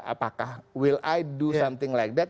apakah will i do something like that